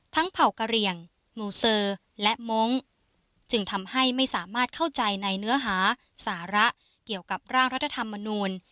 เผ่ากะเหลี่ยงมูเซอร์และมงค์จึงทำให้ไม่สามารถเข้าใจในเนื้อหาสาระเกี่ยวกับร่างรัฐธรรมนูล